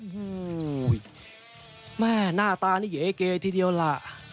หูยแม่หน้าตานี่เยเกย์ทีเดียวล่ะ